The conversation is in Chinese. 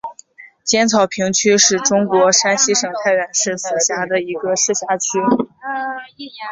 尖草坪区是中国山西省太原市所辖的一个市辖区。